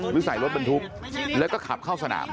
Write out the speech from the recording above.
หรือใส่รถบรรทุกแล้วก็ขับเข้าสนาม